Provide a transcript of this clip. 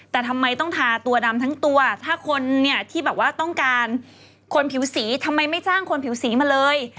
แต่ทำไมต้องทาตัวดำทั้งตัวถ้าคนเนี่ยที่แบบว่าต้องการคนผิวสีทำไมไม่จ้างคนผิวสีมาเลย